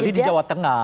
kecuali di jawa tengah